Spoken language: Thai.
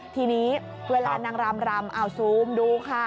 ทีนี้เวลานางรำซูมดูค่ะ